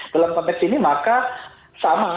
dalam konteks ini maka sama